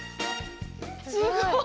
すごい。